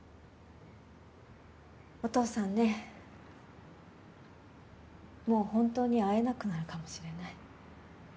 お父さんねもう本当に会えなくなるかもしれない。